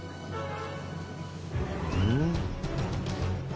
うん？